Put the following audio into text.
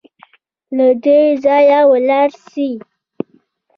له دې ځايه ولاړ سئ